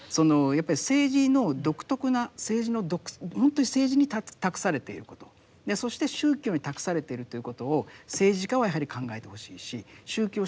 やっぱり政治の独特なほんとに政治に託されていることそして宗教に託されているということを政治家はやはり考えてほしいし宗教者は考えてほしいんですよね。